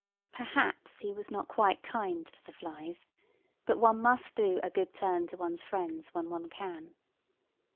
Perhaps he was not quite kind to the flies; but one must do a good turn to one's friends when one can.